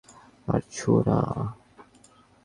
আর ছুঁয়ো না।